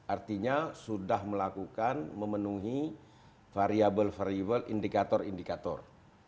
artinya sudah melakukan memenuhi variable variable indikator indikator